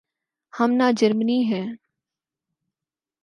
ہم نہ جرمنی ہیں۔